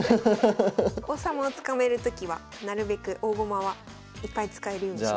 王様を捕まえるときはなるべく大駒はいっぱい使えるようにしましょう。